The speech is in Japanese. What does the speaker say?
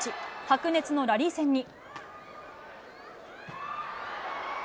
白熱のラリー戦に。